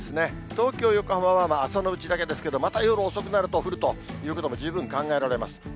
東京、横浜は朝のうちだけですけど、また夜遅くなると、降るということも十分考えられます。